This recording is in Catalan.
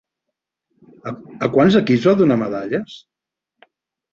A quants equips va donar medalles?